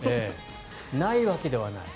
ないわけではない。